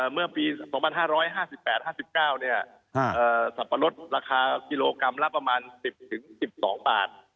เมื่อปี๒๕๕๘๕๙สับปะรดราคากิโลกรัมละประมาณ๑๐๑๒บาท